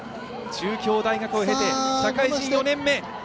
中京大学を経て社会人４年目。